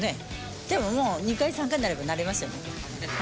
でももう、２回、３回になれば、慣れますよね。